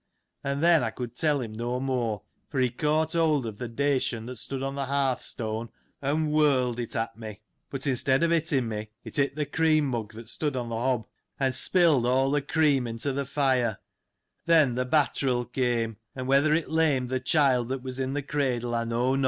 And then, I could tell him no more ; for he caught hold of the dation that stood on the hearth stone, and whirled it at me ; but instead of hitting me, it hit the cream mug, that stood on the hob, and spilled all the cream into the fire : then th' battril^ came, and whether it lamed the child that was in the cradle, I know not, 1.